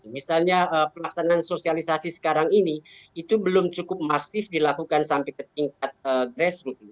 misalnya pelaksanaan sosialisasi sekarang ini itu belum cukup masif dilakukan sampai ke tingkat grassroots